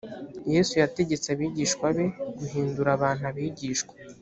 yesu yategetse abigishwa be guhindura abantu abigishwa